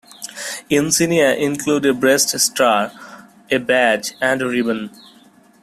Insignia include a breast star, a badge, and a ribbon.